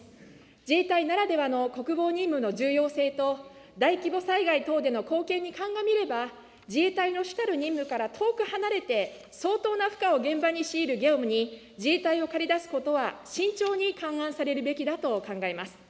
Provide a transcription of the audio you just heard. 自衛隊ならではの国防任務の重要性と、大規模災害等での貢献に鑑みれば、自衛隊の主たる任務から遠く離れて、相当な負荷を現場に強いる業務に、自衛隊を借り出すことは慎重に勘案されるべきだと考えます。